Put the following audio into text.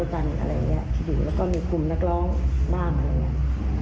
ที่อยู่แล้วก็มีกลุ่มนักร้องมากอะไรอย่างนี้